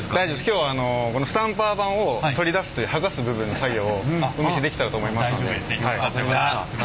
今日はこのスタンパー盤を剥がす部分の作業をお見せできたらと思いますので。